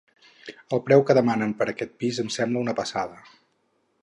El preu que demanen per aquest pis em sembla una passada.